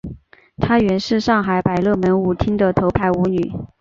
她原是上海百乐门舞厅的头牌舞女。